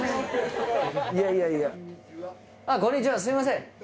すいません。